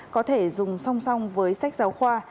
có thể dùng song song với sách giáo khoa